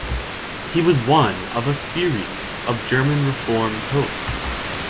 He was one of a series of German reform popes.